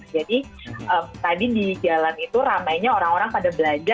jadi tadi di jalan itu ramainya orang orang pada belanja